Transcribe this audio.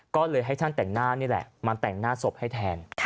ก็เลยให้ช่างแต่งหน้านี่แหละมาแต่งหน้าศพให้แทน